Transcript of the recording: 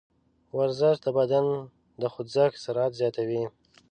ورزش د بدن د خوځښت سرعت زیاتوي.